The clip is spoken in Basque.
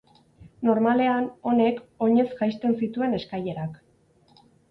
Normalean, honek, oinez jaisten zituen eskailerak.